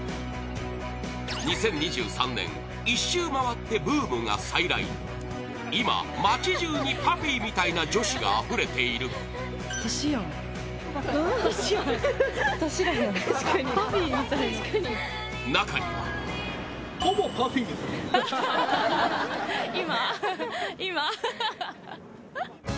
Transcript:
２０２３年一周回ってブームが再来今、街中に ＰＵＦＦＹ みたいな女子があふれている中には第８位